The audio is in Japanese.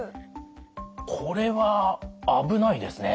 これは危ないですね。